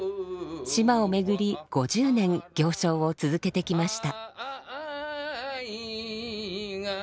島を巡り５０年行商を続けてきました。